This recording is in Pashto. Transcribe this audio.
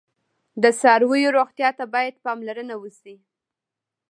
د څارویو روغتیا ته باید پاملرنه وشي.